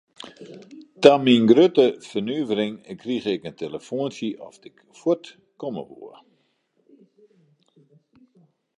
Ta myn grutte fernuvering krige ik in telefoantsje oft ik fuort komme woe.